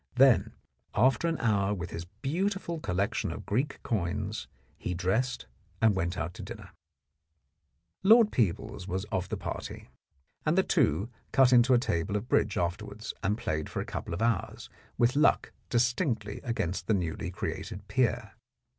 Then after an hour with his beautiful collection of Greek coins he dressed and went out to dinner. Lord Peebles was of the party, and the two cut 54 The Blackmailer of Park Lane into a table of bridge afterwards, and played for a couple of hours, with luck distinctly against the newly created peer.